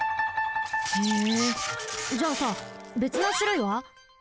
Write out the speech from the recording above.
へえじゃあさべつなしゅるいは？